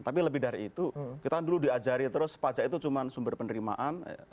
tapi lebih dari itu kita dulu diajari terus pajak itu cuma sumber penerimaan